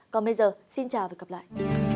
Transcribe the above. còn bây giờ xin chào và gặp lại